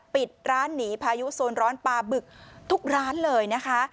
ปิดร้านหนีพายุโซนร้อนปลาบึกทุกร้านเลยนะคะ